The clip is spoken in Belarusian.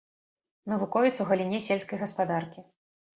Навуковец у галіне сельскай гаспадаркі.